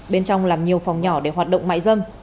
bên trong làm nhiều phòng nhỏ để hoạt động mại dâm